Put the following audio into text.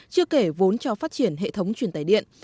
chưa kể vốn cho phát triển hệ thống truyền tài điện